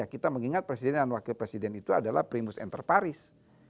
kita mengingat presiden dan wakil presiden itu adalah primus interparis